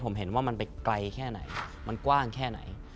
ผมเห็นว่ามันไปไกลแค่ไหนมันกว้างแค่ไหน